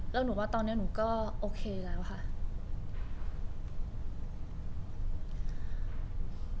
แล้วหนูว่าตอนนี้หนูก็โอเคแล้วค่ะ